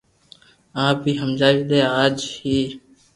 آپ ھي ھمجاوي دي اج ھي